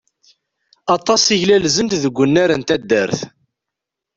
Aṭas i glalzent deg wannar n taddart.